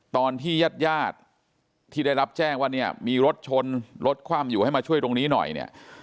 ตอนที่ญาติญาติที่ได้รับแจ้งว่าเนี่ยมีรถชนรถคว่ำอยู่ให้มาช่วยตรงนี้หน่อยเนี่ย